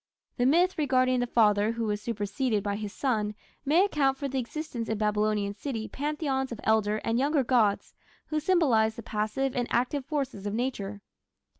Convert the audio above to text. The myth regarding the father who was superseded by his son may account for the existence in Babylonian city pantheons of elder and younger gods who symbolized the passive and active forces of nature.